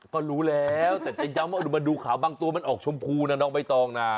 ก็รู้แล้วแต่จะย้ำว่าดูมาดูขาวบางตัวมันออกชมพูนะน้องใบตองนะ